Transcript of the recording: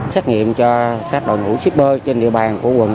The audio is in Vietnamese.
xét nghiệm cho các đội ngũ shipper trên địa bàn của quận